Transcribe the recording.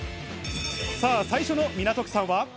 さぁ最初の港区さんは。